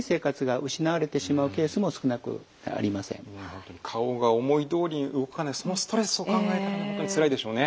更に顔が思いどおりに動かないそのストレスを考えたら本当につらいでしょうね。